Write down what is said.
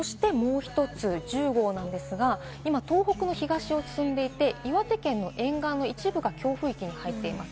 そしてもう１つ、１０号なんですが、今、東北の東を進んでいて、岩手県の沿岸の一部が強風域に入っています。